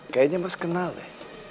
kayaknya mas kenal ya